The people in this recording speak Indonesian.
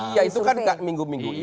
iya itu kan minggu minggu ini